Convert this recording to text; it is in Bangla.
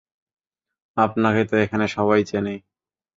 আপনাকে তো এখানে সবাই চেনে।